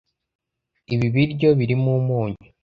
Ibi biryo birimo umunyu.